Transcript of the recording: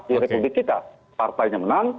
di republik kita partainya menang